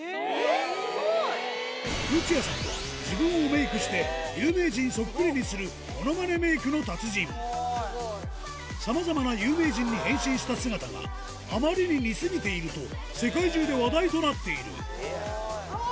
ルチアさんは自分をメイクして有名人そっくりにするさまざまな有名人に変身した姿があまりに似すぎていると世界中で話題となっているあぁ！